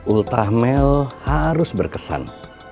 ultah mel harus berkesan